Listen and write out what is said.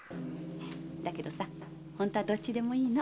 だけど本当はどっちでもいいの。